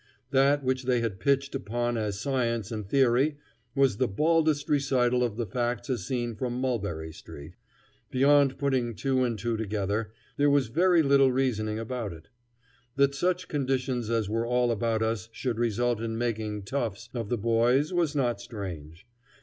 That which they had pitched upon as science and theory was the baldest recital of the facts as seen from Mulberry Street. Beyond putting two and two together, there was very little reasoning about it. That such conditions as were all about us should result in making "toughs" of the boys was not strange.